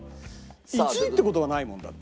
１位って事はないもんだって。